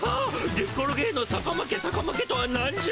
げっころげのさかまけさかまけとはなんじゃ？